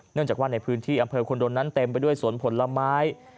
เนื่องจากว่าในพื้นที่อำเภอคุณโดนนั้นเต็มไปด้วยสวนผลไม้